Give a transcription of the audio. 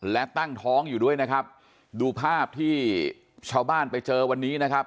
และตั้งท้องอยู่ด้วยนะครับดูภาพที่ชาวบ้านไปเจอวันนี้นะครับ